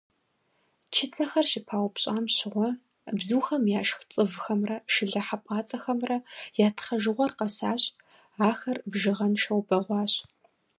Чыцэхэр щыпаупщӏам щыгъуэ бзухэм яшх цӏывхэмрэ шылэ хьэпӏацӏэхэмрэ я тхъэжыгъуэр къэсащ, ахэр бжыгъэншэу бэгъуащ.